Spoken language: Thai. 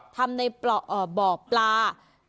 ทำในบ่อปลา